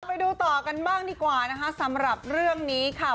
ไปดูต่อกันบ้างดีกว่านะคะสำหรับเรื่องนี้ค่ะ